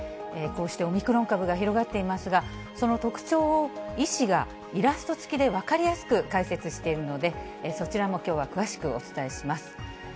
こうしてオミクロン株が広がっていますが、その特徴を医師がイラストつきで分かりやすく解説しているので、そちらもきょうは詳しくお伝えします。